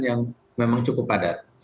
yang memang cukup padat